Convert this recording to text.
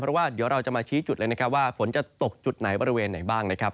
เพราะว่าเดี๋ยวเราจะมาชี้จุดเลยนะครับว่าฝนจะตกจุดไหนบริเวณไหนบ้างนะครับ